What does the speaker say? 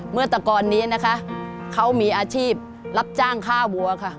เมื่อตะกรนี้นะคะเขามีอาชีพรับจ้างค่าวัวค่ะ